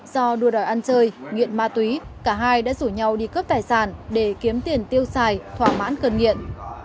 do đua đòi ăn chơi nghiện ma túy cả hai đã rủ nhau đi cướp tài sản để kiếm tiền tiêu xài thỏa mãn cân nghiện